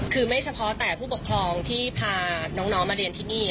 คือไม่เฉพาะแต่ผู้ปกครองที่พาน้องมาเรียนที่นี่